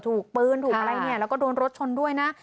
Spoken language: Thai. ถูกปืนถูกอะไรเนี่ยแล้วก็โดนรถชนด้วยนะ